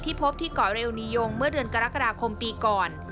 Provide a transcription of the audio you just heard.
พบที่เกาะเรลนียงเมื่อเดือนกรกฎาคมปีก่อน